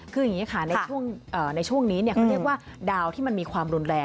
คืออย่างนี้ค่ะในช่วงนี้เขาเรียกว่าดาวที่มันมีความรุนแรง